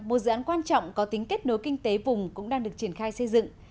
một dự án quan trọng có tính kết nối kinh tế vùng cũng đang được triển khai xây dựng